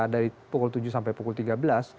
dari pukul tujuh sampai pukul tiga belas